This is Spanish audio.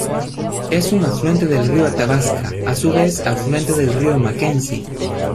Es un afluente del río Athabasca, a su vez, afluente del río Mackenzie.